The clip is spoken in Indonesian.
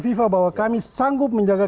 fifa bahwa kami sanggup menjaga